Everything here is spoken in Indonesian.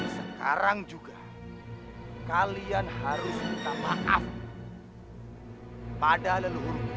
sekarang juga kalian harus minta maaf pada leluhur